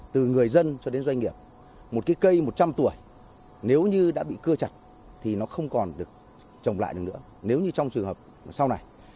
từ người dân cho đến doanh nghiệp một cái cây một trăm linh tuổi nếu như đã bị cưa chặt thì nó không còn được trồng lại được nữa nếu như trong trường hợp sau này